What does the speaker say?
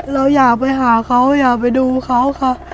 เราอยากไปหาเขาอยากไปดูเขาค่ะ